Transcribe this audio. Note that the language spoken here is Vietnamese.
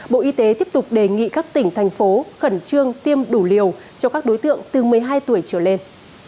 bộ y tế tiếp tục đề nghị các tỉnh thành phố khẩn trương tiêm đủ liều cho các đối tượng từ một mươi hai tuổi trở lên